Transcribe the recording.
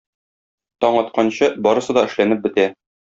Таң атканчы, барысы да эшләнеп бетә.